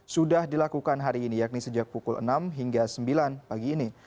sudah dilakukan hari ini yakni sejak pukul enam hingga sembilan pagi ini